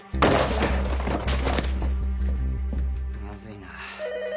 まずいな。